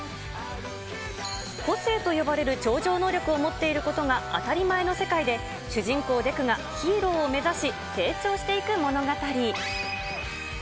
個性と呼ばれる超常能力を持っていることが当たり前の世界で、主人公、デクがヒーローを目指し、成長していく物語。